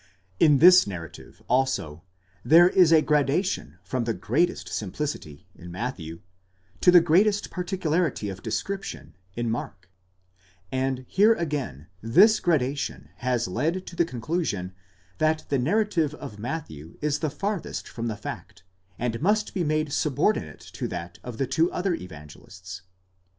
In this narrative also there is a gradation from the greatest simplicity in Matthew, to the greatest particularity of description in Mark; and here again this gradation has led to the conclusion that the narrative of Matthew is the farthest from the fact, and must be made subordinate to that of the two other Evangelists.